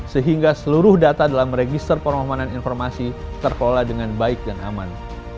sehingga seluruh data dalam register permohonan informasi terkelola dengan baik dan aman